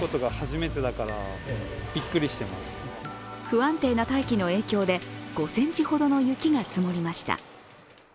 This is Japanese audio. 不安定な大気の影響で５ｃｍほどの雪が積もりました。